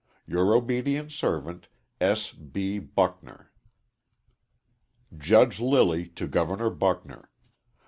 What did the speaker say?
Your obedient servant, S. B. BUCKNER. _Judge Lilly to Governor Buckner.